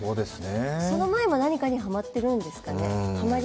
その前も何かにハマっているんですかね。